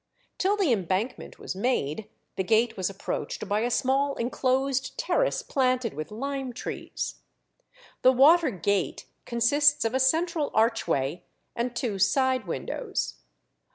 Till the Embankment was made, the gate was approached by a small enclosed terrace planted with lime trees. The water gate consists of a central archway and two side windows.